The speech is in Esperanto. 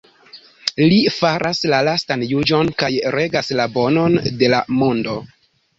Li faras la lastan juĝon kaj regas la Bonon de la Mondo.